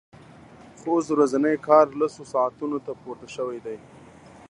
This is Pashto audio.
خو اوس ورځنی کار لسو ساعتونو ته پورته شوی دی